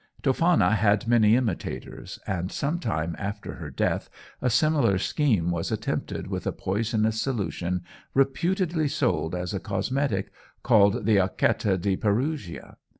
Toffana had many imitators, and some time after her death a similar scheme was attempted with a poisonous solution reputedly sold as a cosmetic, called the "Acquetta di Perugia."